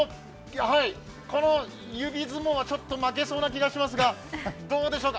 この指相撲はちょっと負けそうな気がしますが、どうでしょうか？